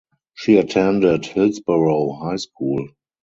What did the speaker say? She attended Hillsborough High School.